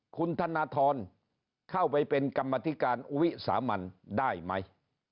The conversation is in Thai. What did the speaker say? คุณธนทรเข้าไปเป็นกรรมธิการวิสามันได้ไหม